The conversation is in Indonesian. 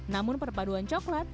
namun perpaduan coklat